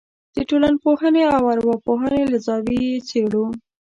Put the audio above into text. د ټولنپوهنې او ارواپوهنې له زاویې یې څېړو.